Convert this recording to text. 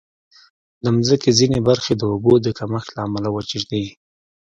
د مځکې ځینې برخې د اوبو د کمښت له امله وچې دي.